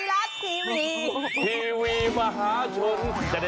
ไทรัฐทีวีทีวีมหาชน